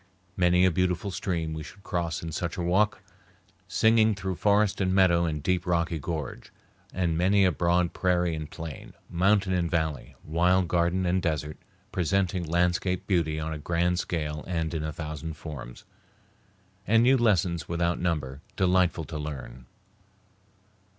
Many a beautiful stream we should cross in such a walk, singing through forest and meadow and deep rocky gorge, and many a broad prairie and plain, mountain and valley, wild garden and desert, presenting landscape beauty on a grand scale and in a thousand forms, and new lessons without number, delightful to learn.